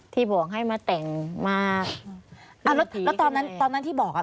บอกให้มาแต่งมาอ่าแล้วแล้วตอนนั้นตอนนั้นที่บอกอ่ะ